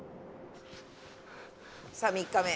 さぁ３日目。